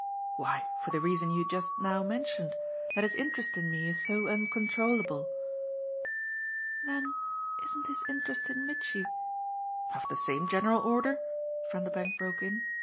"Why, for the reason you just now mentioned that his interest in me is so uncontrollable." "Then isn't his interest in Mitchy " "Of the same general order?" Vanderbank broke in.